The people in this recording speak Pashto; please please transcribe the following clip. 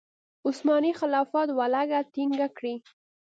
عثماني خلافت ولکه ټینګه کړي.